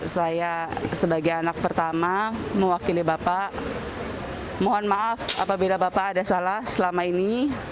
saya sebagai anak pertama mewakili bapak mohon maaf apabila bapak ada salah selama ini